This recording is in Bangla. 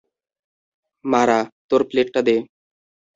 মারা, তোর প্লেটটা দে।